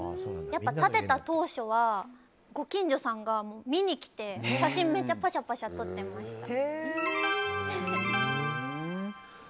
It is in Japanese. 建てた当初はご近所さんが見に来て写真めちゃパシャパシャ撮ってました。